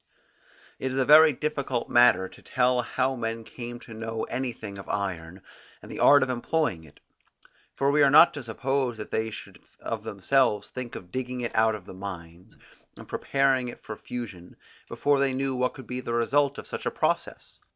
It is a very difficult matter to tell how men came to know anything of iron, and the art of employing it: for we are not to suppose that they should of themselves think of digging it out of the mines, and preparing it for fusion, before they knew what could be the result of such a process.